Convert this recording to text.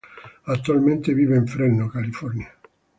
Actualmente vive en Fresno, California.